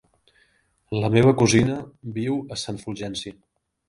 La meva cosina viu a Sant Fulgenci.